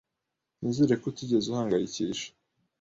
Nizere ko utigeze uhangayikisha